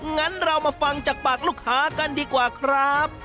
งั้นเรามาฟังจากปากลูกค้ากันดีกว่าครับ